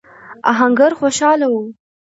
آهنګر خوشاله و.